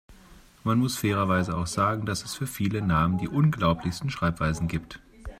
Man muss fairerweise auch sagen, dass es für viele Namen die unglaublichsten Schreibweisen gibt.